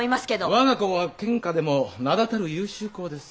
我が校は県下でも名だたる優秀校です。